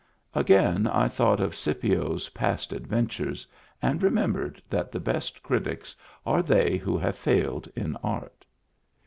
Again I thought of Scipio's past adventures and remembered that the best critics are they who have failed in art.